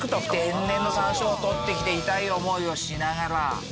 天然の山椒を採ってきて痛い思いをしながら。